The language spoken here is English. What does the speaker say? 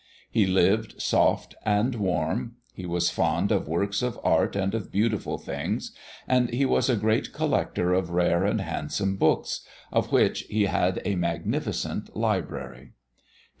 He lived soft and warm; he was fond of works of art and of beautiful things, and he was a great collector of rare and handsome books of which he had a magnificent library.